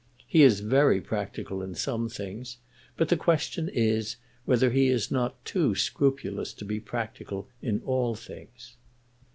He is very practical in some things, but the question is, whether he is not too scrupulous to be practical in all things."